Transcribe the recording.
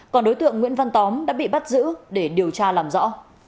còn đối tượng nguyễn văn tóm đã bị bắt giữ để điều tra làm rõ